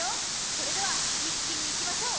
それでは、一気にいきましょう。